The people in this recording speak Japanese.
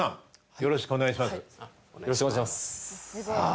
よろしくお願いします。